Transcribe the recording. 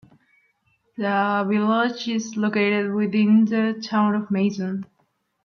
The village is located within the Town of Mason.